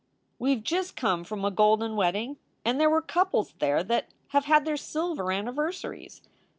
"We ve just come from a golden wedding, and there were couples there that have had their silver anniversaries."